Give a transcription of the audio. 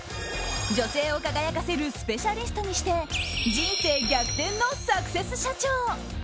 女性を輝かせるスペシャリストにして人生逆転のサクセス社長。